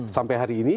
sampai hari ini